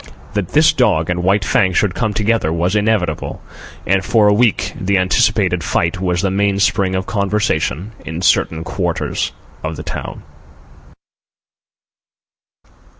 That this dog and White Fang should come together was inevitable, and for a week the anticipated fight was the mainspring of conversation in certain quarters of the town.